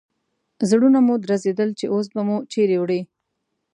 زړونه مو درزېدل چې اوس به مو چیرې وړي.